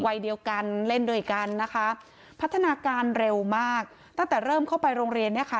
วัยเดียวกันเล่นด้วยกันนะคะพัฒนาการเร็วมากตั้งแต่เริ่มเข้าไปโรงเรียนเนี่ยค่ะ